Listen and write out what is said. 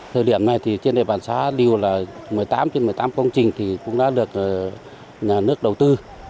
thời điểm này thì trên đề bản xá liều là một mươi tám trên một mươi tám công trình thì cũng đã được nhà nước đầu tư